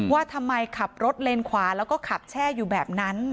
ว่าทำไมขับรถเลนขวาแล้วก็ขับแช่อยู่แบบนั้น